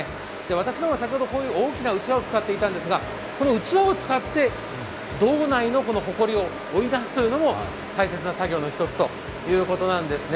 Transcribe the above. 私ども、先ほどこの大きなうちわを使っていたんですがこのうちわを使って堂内のほこりを追い出すというのも大切な作業の１つということなんですね。